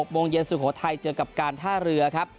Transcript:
โมงเย็นสุโขทัยเจอกับการท่าเรือครับ